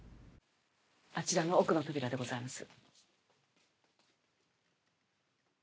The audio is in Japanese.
あちらの奥の扉でございます。